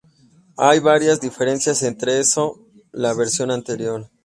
Hay varias diferencias entre eso la versión anterior.